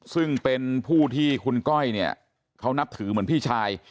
ซึ่งเป็นผู้ที่คุณก้อยเนี่ยเขานับถือเหมือนพี่ชาย